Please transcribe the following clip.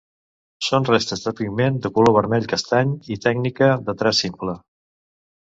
Són restes de pigment de color vermell-castany i tècnica de traç simple.